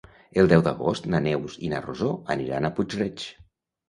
El deu d'agost na Neus i na Rosó aniran a Puig-reig.